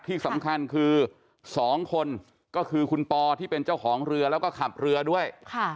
ที่สำคัญคือ๒คนก็คือคุณปอที่เป็นเจ้าของเรือแล้วก็ขับเรือด้วย